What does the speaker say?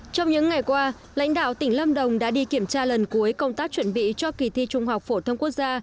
trong những ngày qua lãnh đạo tỉnh lâm đồng đã đi kiểm tra lần cuối công tác chuẩn bị cho kỳ thi trung học phổ thông quốc gia